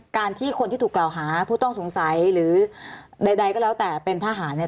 การที่คนที่ถูกกล่าวหาผู้ต้องสงสัยหรือใดก็แล้วแต่เป็นทหารเนี่ย